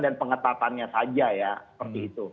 dan pengetatannya saja ya seperti itu